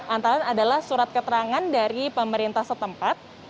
antara adalah surat keterangan dari pemerintah setempat